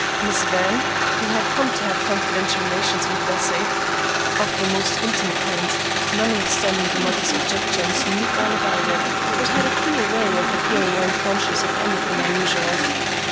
Miss Van, who had come to have confidential relations with Bessie, of the most intimate kind, notwithstanding the mother's objections, knew all about it, but had a queer way of appearing unconscious of anything unusual.